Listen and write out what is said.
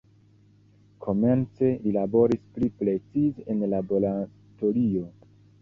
Komence li laboris pli precize en laboratorio.